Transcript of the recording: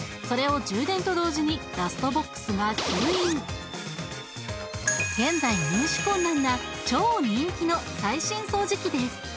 それを充電と同時にダストボックスが吸引現在入手困難な超人気の最新掃除機です